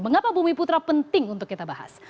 mengapa bumi putra penting untuk kita bahas